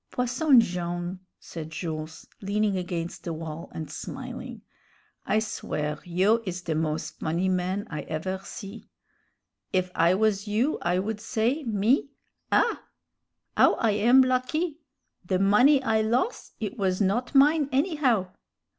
"Posson Jone'," said Jules, leaning against the wall and smiling, "I swear you is the moz funny man I ever see. If I was you I would say, me, 'Ah! 'ow I am lucky! the money I los', it was not mine, anyhow!'